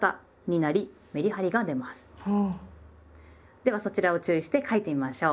ではそちらを注意して書いてみましょう。